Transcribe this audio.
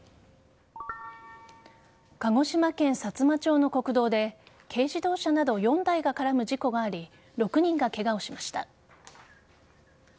鹿児島県さつま町の国道で軽自動車など４台が絡む事故があり６人がケガをしました。